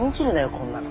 こんなの。